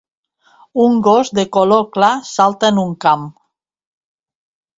Un gos de color clar salta en un camp.